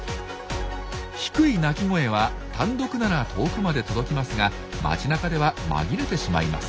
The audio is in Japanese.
低い鳴き声は単独なら遠くまで届きますが街なかでは紛れてしまいます。